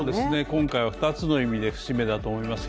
今回は２つの意味で節目だと思います。